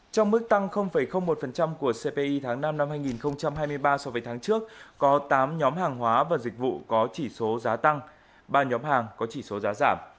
trong mức tăng một của cpi tháng năm năm hai nghìn hai mươi ba so với tháng trước có tám nhóm hàng hóa và dịch vụ có chỉ số giá tăng ba nhóm hàng có chỉ số giá giảm